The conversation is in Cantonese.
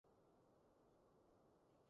打個冷震做老豆